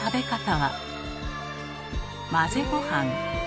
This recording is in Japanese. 混ぜごはん。